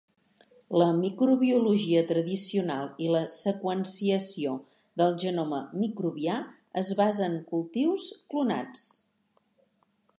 La microbiologia tradicional i la seqüenciació del genoma microbià es basen cultius clonats.